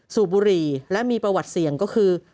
สูบบุหรี่และมีประวัติเสี่ยงก็คือ